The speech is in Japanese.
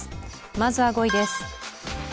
まずは５位です。